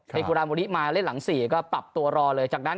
ครับเอคูรามบุริมาเล่นหลังสี่ก็ปรับตัวรอเลยจากนั้น